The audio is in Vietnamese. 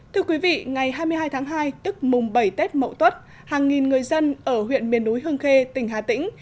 thưa quý vị ngày hai mươi hai tháng hai tức mùng bảy tết mậu tuất hàng nghìn người dân ở huyện miền núi hương khê tỉnh hà tĩnh